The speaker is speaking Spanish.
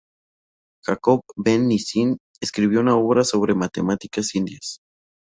Jacob ben Nissim escribió una obra sobre matemáticas indias.